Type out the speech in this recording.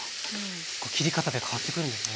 切り方で変わってくるんですね。